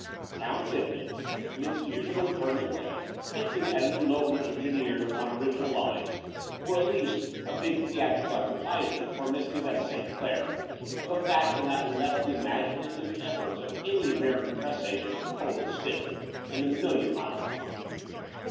Town Tit Bits, in its usual impertinent way» hinted at an elopement engineered upon original lines, or, at least, a big theatrical advertisement for Miss Yvette St. Clair of a fashion that left the imaginative efforts of any American press agent cold stiff, and a million miles behind.